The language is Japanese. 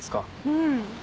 うん。